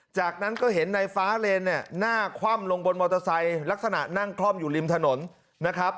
จากนั้นก็เห็นในฟ้าเลนเนี่ยหน้าคว่ำลงบนมอเตอร์ไซค์ลักษณะนั่งคล่อมอยู่ริมถนนนะครับ